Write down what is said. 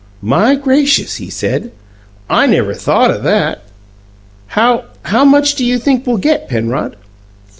"My gracious," he said, "I never thought o' that! How how much do you think we'll get, Penrod?"